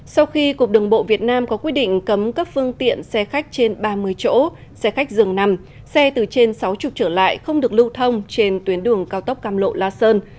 sau khi cục đường bộ việt nam có quyết định cấm cấp phương tiện xe khách trên ba mươi chỗ xe khách dường nằm xe từ trên sáu mươi trở lại không được lưu thông trên tuyến đường cao tốc cam lộ la sơn